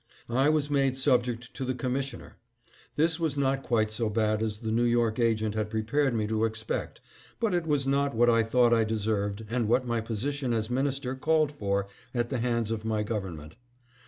I was made subject to the commissioner. This was not quite so bad as the New York agent had prepared me to expect, but it was not what I thought I deserved and what my position as minister called for at the hands of my gov ernment.